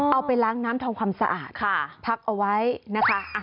เอาไปล้างน้ำทำความสะอาดค่ะพักเอาไว้นะคะ